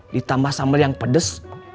ditambah sambal yang pedes